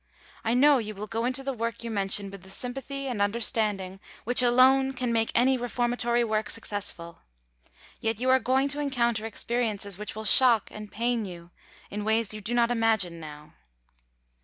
I know you will go into the work you mention with the sympathy and understanding which alone can make any reformatory work successful. Yet you are going to encounter experiences which will shock and pain you, in ways you do not imagine now.